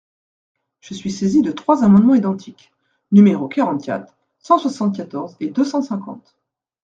Je suis saisi de trois amendements identiques, numéros quarante-quatre, cent soixante-quatorze et deux cent cinquante.